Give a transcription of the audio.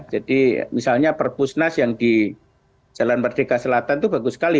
jadi misalnya perpusnas yang di jalan merdeka selatan itu bagus sekali